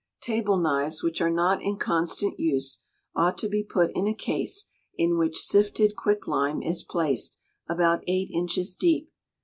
Table knives which are not in constant use ought to be put in a case in which sifted quicklime is placed, about eight inches deep.